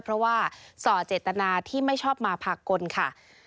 เพราะว่าส่อเจตนาที่ไม่ชอบมาพากลค่ะ